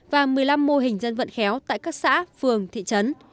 và một mươi năm mô hình dân vận khéo tại các xã phường thị trấn